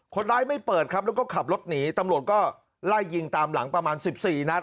คนร้ายไม่เปิดครับแล้วก็ขับรถหนีตำรวจก็ไล่ยิงตามหลังประมาณ๑๔นัด